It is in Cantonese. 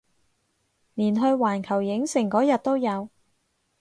連去環球影城嗰日都有